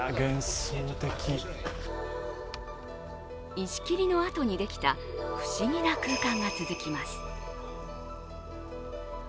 石切りのあとにできた不思議な空間が続きます。